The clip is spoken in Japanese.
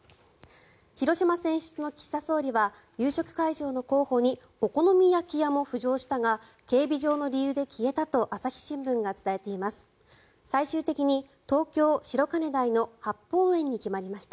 広島選出の岸田総理は夕食会場の候補にお好み焼き屋も浮上したが警備上の理由で消えたと朝日新聞が伝えています。